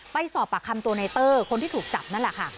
ไปสอบปากคำตัวในเตอร์คนที่ถูกจับนั่นแหละค่ะ